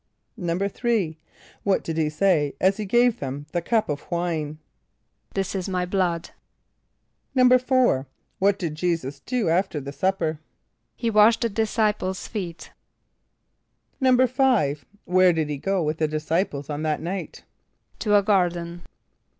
"= =3.= What did he say as he gave them the cup of wine? ="This is my blood."= =4.= What did J[=e]´[s+]us do after the supper? =He washed the disciples' feet.= =5.= Where did he go with the disciples on that night? =To a garden.